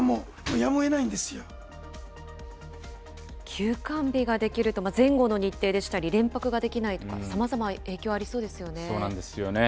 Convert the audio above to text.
休館日ができると、前後の日程でしたり、連泊ができないとか、そうなんですよね。